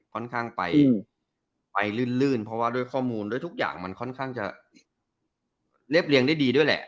ค่อนข้างไปลื่นเพราะว่าด้วยข้อมูลด้วยทุกอย่างมันค่อนข้างจะเรียบเรียงได้ดีด้วยแหละ